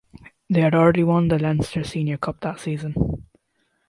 They had already won the Leinster Senior Cup that season.